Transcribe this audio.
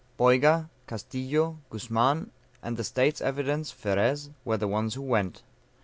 Boyga, Castillo, Guzman, and the "State's Evidence," Ferez, were the ones who went.